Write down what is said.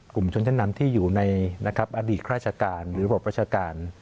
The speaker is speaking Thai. กลุ่มชนชั้นนำที่อยู่ในอดีตราชการหรือบทประชาการ